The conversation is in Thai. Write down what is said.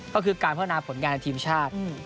ก็คือการพัฒนาผลงานในทีมชาติ